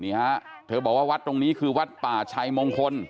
ฮะเธอบอกว่าวัดตรงนี้คือวัดป่าชัยมงคล